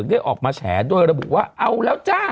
เข้าไปมาแฉด้วยระบุว่าเอาแล้วจ้ะ